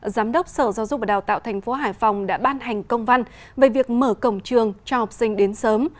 giám đốc sở giáo dục và đào tạo tp hải phòng đã ban hành công văn về việc mở cổng trường cho học sinh đến sớm